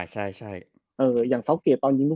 ใช่อย่างเซาเกสต์ตอนธี่นิ่ง